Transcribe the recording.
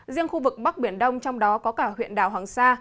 riêng khu vực bắc biển đông trong đó có cả huyện đảo hoàng sa